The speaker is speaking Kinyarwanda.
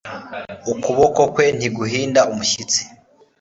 Ukuboko kwe ntiguhinda umushyitsi